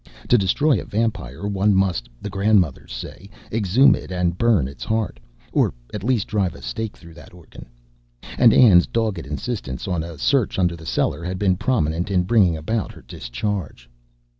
To destroy a vampire one must, the grandmothers say, exhume it and burn its heart, or at least drive a stake through that organ; and Ann's dogged insistence on a search under the cellar had been prominent in bringing about her discharge.